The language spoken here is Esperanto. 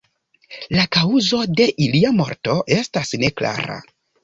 La kaŭzo de ilia morto estas neklara.